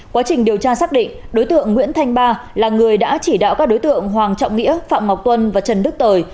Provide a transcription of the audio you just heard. quá trình điều tra xác định đối tượng nguyễn thanh ba là người đã chỉ đạo các đối tượng hoàng trọng nghĩa phạm ngọc tuân và trần đức tời